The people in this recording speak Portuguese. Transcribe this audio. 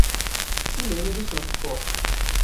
Cilene dos Santos Costa